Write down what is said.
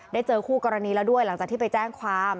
เจอคู่กรณีแล้วด้วยหลังจากที่ไปแจ้งความ